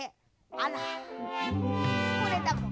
あらこれだもん。